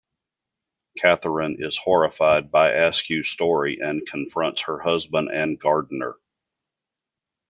Catherine is horrified by Askew's story and confronts her husband and Gardiner.